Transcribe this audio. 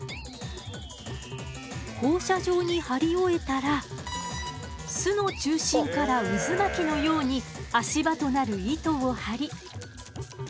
放射状に張り終えたら巣の中心から渦巻きのように足場となる糸を張り。